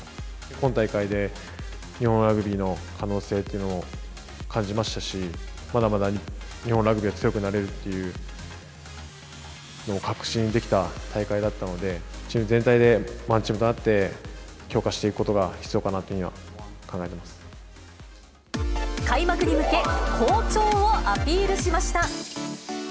今大会で日本ラグビーの可能性っていうのを感じましたし、まだまだ日本ラグビーは強くなれるっていうのを確信できた大会だったので、チーム全体でワンチームとなって、強化していくことが必要かなって開幕に向け、好調をアピールしました。